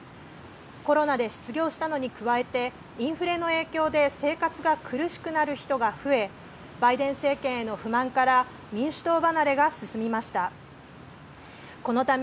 コロナで失業したのに加えてインフレの影響で生活が苦しくなる人が増え、バイデン政権への不満から民主党離れが進みました。